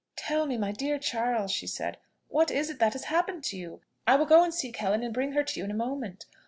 "Tell me, dear Charles," she said, "what is it that has happened to you? I will go and seek Helen, and bring her to you in a moment.